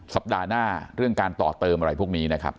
สัปดาห์หน้าเรื่องการต่อเติมอะไรพวกนี้นะครับ